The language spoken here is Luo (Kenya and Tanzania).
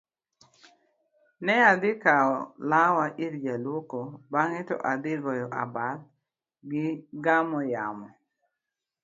ne adhi kawo lawa ir jaluoko bang'e to adhi goyo abal gigamo yamo